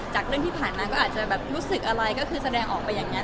เรื่องที่ผ่านมาก็อาจจะแบบรู้สึกอะไรก็คือแสดงออกไปอย่างนั้น